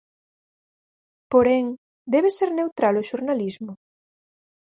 Porén, debe ser neutral o xornalismo?